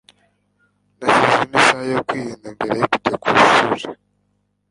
Nashyizemo isaha yo kwiruka mbere yuko njya ku ishuri.